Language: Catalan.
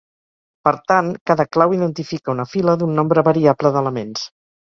Per tant, cada clau identifica una fila d'un nombre variable d'elements.